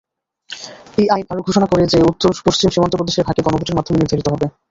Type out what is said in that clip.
এই আইন আরো ঘোষণা করে যে উত্তর-পশ্চিম সীমান্ত প্রদেশের ভাগ্য গণভোটের মাধ্যমে নির্ধারিত হবে।